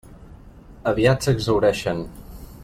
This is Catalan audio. Aviat s'exhaureixen.